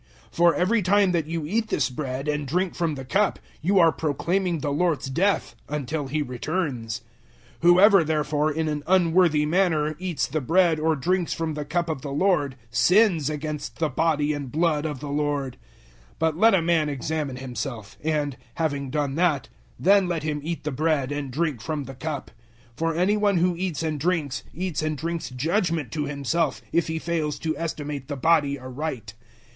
011:026 For every time that you eat this bread and drink from the cup, you are proclaiming the Lord's death until He returns. 011:027 Whoever, therefore, in an unworthy manner, eats the bread or drinks from the cup of the Lord sins against the body and blood of the Lord. 011:028 But let a man examine himself, and, having done that, then let him eat the bread and drink from the cup. 011:029 For any one who eats and drinks, eats and drinks judgement to himself, if he fails to estimate the body aright.